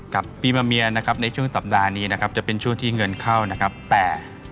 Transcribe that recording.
กับปีมะเมียนะครับในช่วงสัปดาห์นี้นะครับจะเป็นช่วงที่เงินเข้านะครับแต่